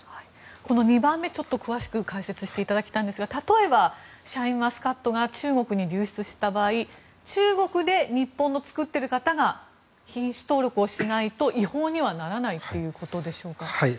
この２番目ちょっと詳しく解説していただきたいんですが例えば、シャインマスカットが中国に流出した場合中国で日本の作っている方が品種登録をしないと違法にはならないということでしょうか。